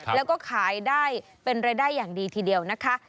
แล้วก็ขายได้เป็นรายได้อย่างดีทีเดียวนะคะ